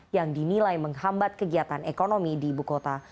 yang dinilai menghambat kegiatan ekonomi di ibu kota